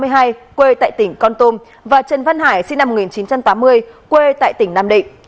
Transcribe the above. bốn đối tượng này gồm nông văn tôm và trần văn hải sinh năm một nghìn chín trăm tám mươi quê tại tỉnh nam định